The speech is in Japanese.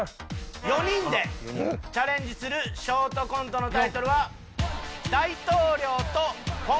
４人でチャレンジするショートコントのタイトルは。